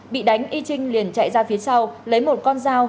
bị đánh y trinh liền chạy ra phía sau lấy một con dao